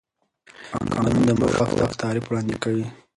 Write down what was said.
قانون د مشروع واک تعریف وړاندې کوي.